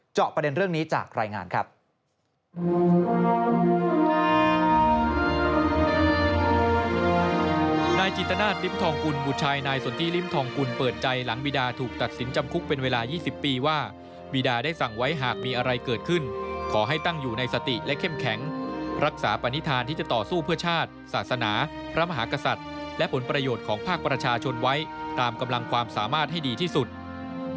ประเด็นเรื่องนี้จากรายงานครับ